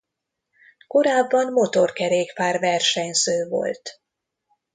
Korábban motorkerékpár versenyző volt.